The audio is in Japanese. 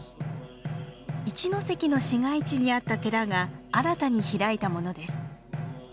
一関の市街地にあった寺が新たに開いたものです。